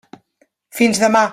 Fins demà!